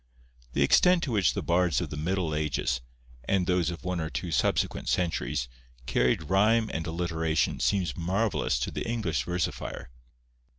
The extent to which the bards of the middle ages, and those of one or two subsequent centuries, carried rhyme and alliteration seems marvellous to the English versifier.